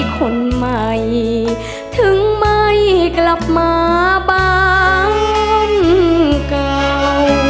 คนใหม่ถึงไม่กลับมาบ้านเก่า